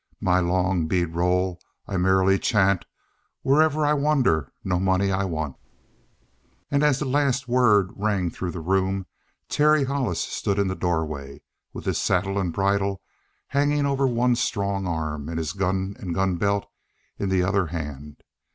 My long bead roll I merrily chant; Wherever I wander no money I want! And as the last word rang through the room, Terry Hollis stood in the doorway, with his saddle and bridle hanging over one strong arm and his gun and gun belt in the other hand.